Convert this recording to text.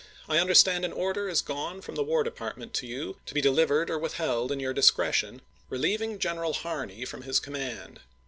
I understand an order has gone from the War Department to you, to be delivered or with held in your discretion, relieving General Harney from his command.